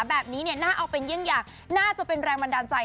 แบบนี้น่าเอาเป็นยื่นยากน่าจะเป็นแรงบันดาลใจ